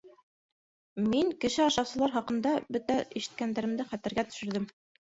Мин кеше ашаусылар хаҡында бөтә ишеткәндәремде хәтергә төшөрҙөм.